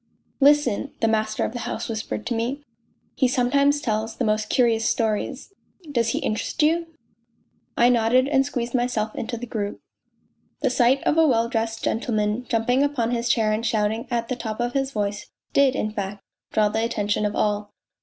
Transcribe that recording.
" Listen," the master of the house whispered to me. " He sometimes tells the most curious stories. ... Does he interest you ?" I nodded and squeezed myself into the group. The sight of a well dressed gentleman jumping upon his chair and shouting at the top of his voice did, in fact, draw the attention of all.